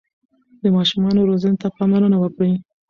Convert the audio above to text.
د ماشومانو روزنې ته پاملرنه وکړئ.